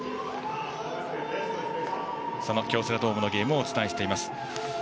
その京セラドームのゲームをお伝えしております。